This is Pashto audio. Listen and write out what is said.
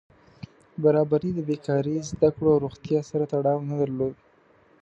برابري د بېکاري، زده کړو او روغتیا سره تړاو نه درلود.